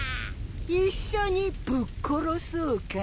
一緒にぶっ殺そうか。